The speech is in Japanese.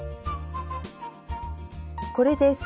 これです